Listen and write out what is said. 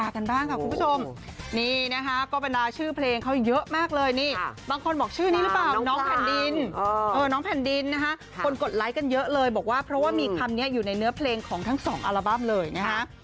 คนกดไลค์กันเยอะเลยบอกว่าเพราะว่ามีคำนี้อยู่ในเนื้อเพลงของทั้ง๒อัลบั้มเลยนะฮะ